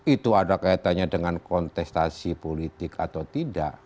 itu ada kaitannya dengan kontestasi politik atau tidak